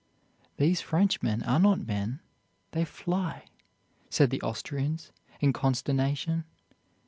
"These Frenchmen are not men, they fly," said the Austrians in consternation.